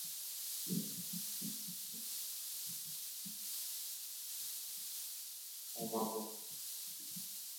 অকালমৃত্যু-হরণং সর্বব্যাধি-বিনাশনম্বর।